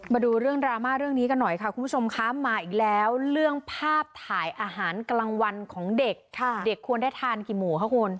มาดูเรื่องดราม่าเรื่องนี้กันหน่อยค่ะคุณผู้ชมคะมาอีกแล้วเรื่องภาพถ่ายอาหารกลางวันของเด็กเด็กควรได้ทานกี่หมูคะคุณ